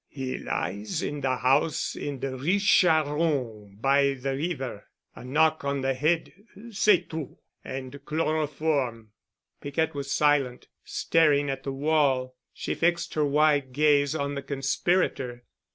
"He lies in the house in the Rue Charron by the river. A knock on the head—c'est tout—and chloroform." Piquette was silent, staring at the wall. Then she fixed her wide gaze on the conspirator.